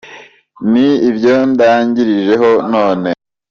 Ni ibyo ndangirijeho none